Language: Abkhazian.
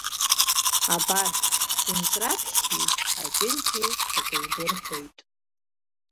Абар, ҳәынҵәырҟаԥшьи аҷынҷеи акы еибырҳәоит.